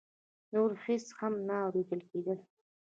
نور هېڅ هم نه اورېدل کېدل.